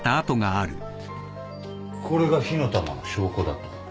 これが火の玉の証拠だと？